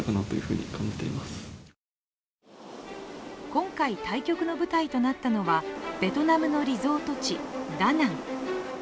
今回、対局の舞台となったのはベトナムのリゾート地・ダナン。